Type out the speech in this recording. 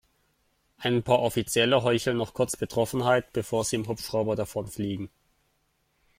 Ein paar Offizielle heucheln noch kurz Betroffenheit, bevor sie im Hubschrauber davonfliegen.